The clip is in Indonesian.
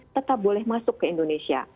tetap boleh masuk ke indonesia